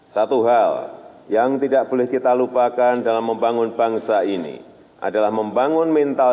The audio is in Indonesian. satu hal yang tidak boleh kita lupakan dalam membangun bangsa ini adalah membangun mental